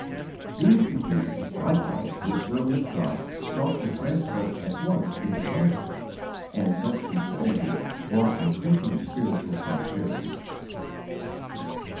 These conclusions likewise this servant of God sought to translate at once into conduct, and such conformity brought increasing spiritual prosperity.